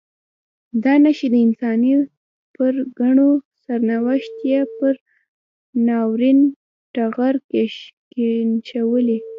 دا نښې د انساني پرګنو سرنوشت یې پر ناورین ټغر کښېنولی.